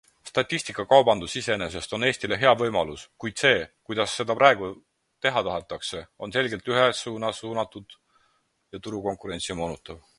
Statistikakaubandus iseenesest on Eestile hea võimalus, kuid see, kuidas seda praegu teha tahetakse, on selgelt ühes suunas suunatud ja turukonkurentsi moonutav.